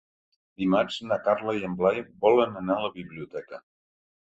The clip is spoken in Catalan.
Dimarts na Carla i en Blai volen anar a la biblioteca.